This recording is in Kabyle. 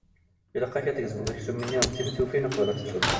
Ilaq-ak ad tgezmeḍ aksum-nni d timettufin uqbel ad t-teččeḍ.